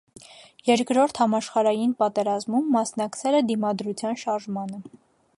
Երկրորդ համաշխարհային պատերազմում մասնակցել է դիմադրության շարժմանը։